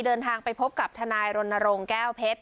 เดินทางไปพบกับทนายรณรงค์แก้วเพชร